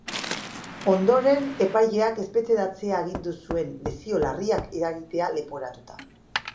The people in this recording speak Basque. Ondoren, epaileak espetxeratzea agindu zuen, lesio larriak eragitea leporatuta.